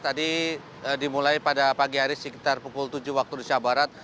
tadi dimulai pada pagi hari sekitar pukul tujuh waktu indonesia barat